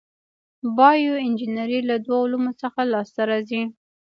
بایو انجنیری له دوو علومو څخه لاس ته راځي.